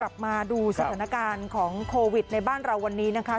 กลับมาดูสถานการณ์ของโควิดในบ้านเราวันนี้นะคะ